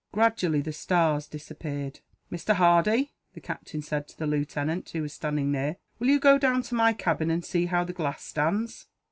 Gradually the stars disappeared. "Mr. Hardy," the captain said to the lieutenant, who was standing near, "will you go down to my cabin, and see how the glass stands?"